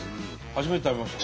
初めて食べました